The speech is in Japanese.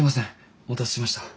お待たせしました。